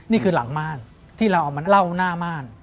นี่คือหลังม่านที่เราเอามาเล่าหน้าม่าน